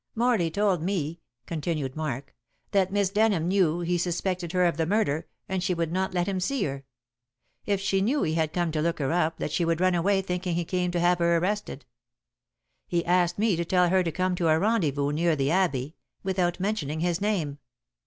"Morley told me," continued Mark, "that Miss Denham knew he suspected her of the murder, and she would not let him see her. If she knew he had come to look her up that she would run away thinking he came to have her arrested. He asked me to tell her to come to a rendezvous near the Abbey without mentioning his name.